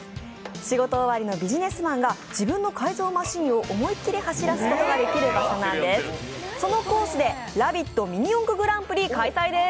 仕事終わりのビジネスマンが自分の改造マシンを思いっきり走らせることができるんです。